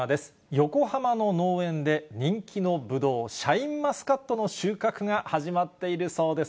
横浜の農園で人気のぶどう、シャインマスカットの収穫が始まっているそうです。